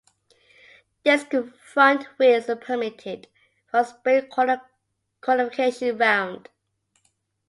Disc front wheel is permitted for sprint qualification round.